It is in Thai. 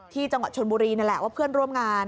ที่จังหวัดชนบุรีนั่นแหละว่าเพื่อนร่วมงาน